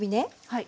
はい。